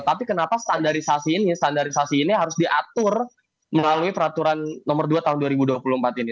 tapi kenapa standarisasi ini standarisasi ini harus diatur melalui peraturan nomor dua tahun dua ribu dua puluh empat ini